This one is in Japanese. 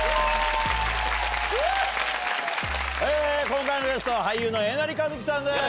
今回のゲストは俳優のえなりかずきさんです！